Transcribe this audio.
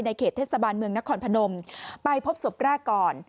เขตเทศบาลเมืองนครพนมไปพบศพแรกก่อน